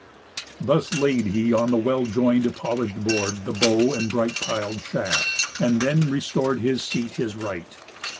Thus laid he on the well join'd polish'd board The bow and bright pil'd shaft, and then restor'd His seat his right.